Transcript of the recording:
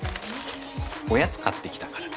おやつ買ってきたから。